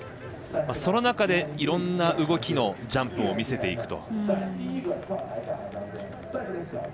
その中でいろんな動きのジャンプを見せていくと。